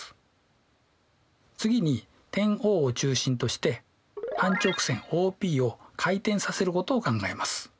次に点Ｏを中心として半直線ＯＰを回転させることを考えます。